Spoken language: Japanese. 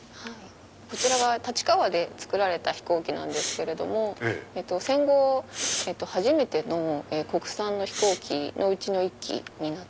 こちらが立川で造られた飛行機なんですけれども戦後初めての国産の飛行機の一機になってます。